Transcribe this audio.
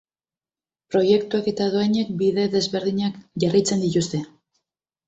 Proiektuak eta dohainek bide desberdinak jarraitzen dituzte.